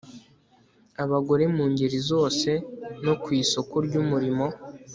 abagore mu ngeri zose no ku isoko ry'umurimo